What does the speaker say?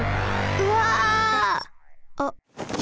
うわ！あっ。